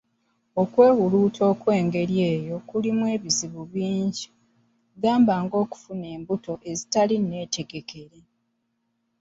Okwewulunta okwengeri eyo kulimu ebizibu bingi ,gamba ng'okufuna embuto ezitali nneetegekere.